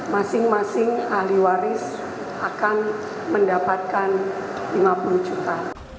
masing masing ahli waris akan mendapatkan lima puluh juta